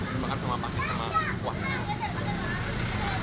dimakan sama pakis sama kuahnya